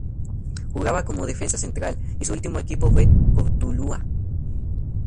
Jugaba como defensa central y su último equipo fue Cortuluá.